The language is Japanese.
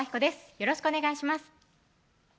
よろしくお願いします